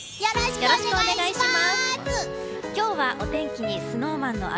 よろしくお願いします。